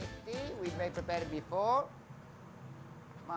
kita bisa membuat seperti ini sebelumnya